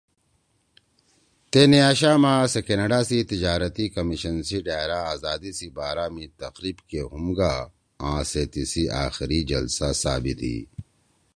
تے نیاشاما سے کینیڈا سی تجارتی کمیشن سی ڈھأرا آزادی سی بارا می تقریب کے ہُم گا آں سے تیِسی آخری جلسہ ثابِت ہی